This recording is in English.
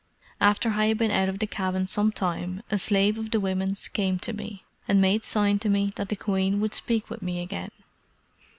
After I had been out of the cabin some time, a slave of the women's came to me, and made sign to me that the queen would speak with me again.